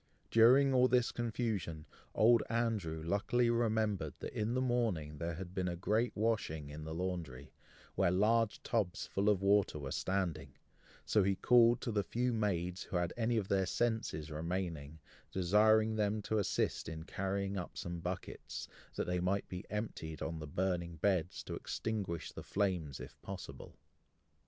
During all this confusion, Old Andrew luckily remembered, that, in the morning, there had been a great washing in the laundry, where large tubs full of water were standing, so he called to the few maids who had any of their senses remaining, desiring them to assist in carrying up some buckets, that they might be emptied on the burning beds, to extinguish the flames if possible.